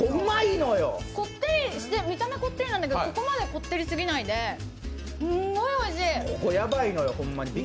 見た目こってりなんだけどそこまで、こってりすぎないですんごいおいしい。